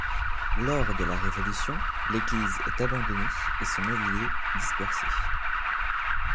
Lors de la Révolution, l'église est abandonnée et son mobilier dispersé.